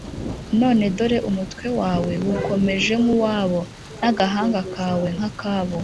None dore umutwe wawe wukomeje nk’uwabo, n’agahanga kawe nk’akabo